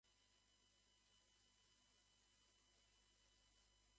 おーっと、あぶないよー